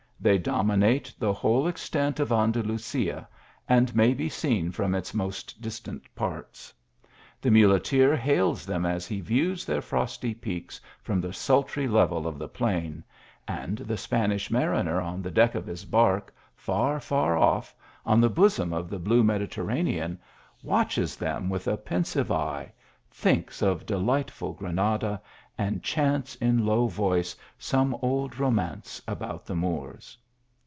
They dominate the whole extent of An dalusia, and may be seen from its most distant parts. The muleteer hails them as he views their frosty peaks from the sultry level of the plain ; and the Spanish manner on the deck of his bark, far, far off, on the bosom of the blue Mediterranean, watches them with a pensive eye, thinks of delightful Grana da, and chants in low voice some old romance about the Moors.